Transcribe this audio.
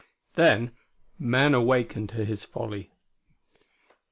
Then man awakened to his folly.